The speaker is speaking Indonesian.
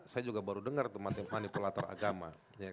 saya juga baru dengar tuh manipulator agama